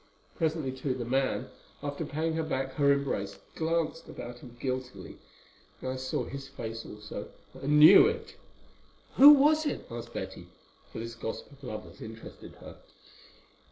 Presently, too, the man, after paying her back her embrace, glanced about him guiltily, and I saw his face also, and knew it." "Who was it?" asked Betty, for this gossip of lovers interested her.